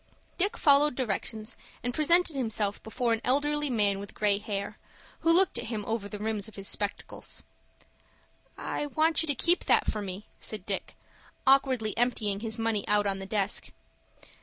Dick followed directions, and presented himself before an elderly man with gray hair, who looked at him over the rims of his spectacles. "I want you to keep that for me," said Dick, awkwardly emptying his money out on the desk.